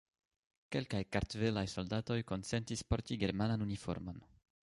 Kelkaj kartvelaj soldatoj konsentis porti germanan uniformon.